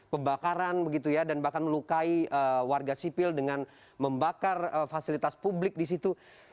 pembakaran begitu ya dan bahkan melukai warga sipil dengan membakar fasilitas publik di situ